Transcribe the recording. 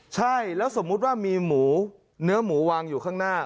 ใช่แล้วสมมุติว่ามีหมูเนื้อหมูวางอยู่ข้างหน้า